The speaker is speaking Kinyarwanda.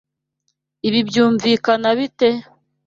Ibi byumvikana bite?